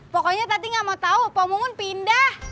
pokoknya tadi gak mau tau pemumun pindah